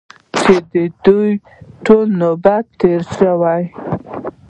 چې د دوی ټولو نوبت تېر شو.